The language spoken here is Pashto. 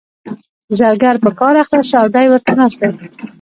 زرګر په کار اخته شو او دی ورته ناست دی.